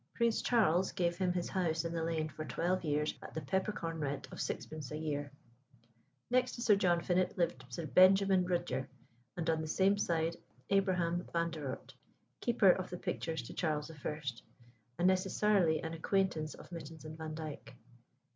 Prince Charles gave him his house in the lane for twelve years at the peppercorn rent of 6d. a year. Next to Sir John Finett lived Sir Benjamin Rudyer, and on the same side Abraham Vanderoort, keeper of the pictures to Charles I., and necessarily an acquaintance of Mytens and Vandyke.